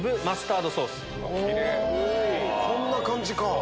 こんな感じか。